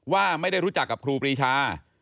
ว่าไม่ได้รู้จักกับครูปรีชา